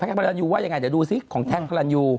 กระรันยูว่ายังไงเดี๋ยวดูซิของแท็กพระรันยู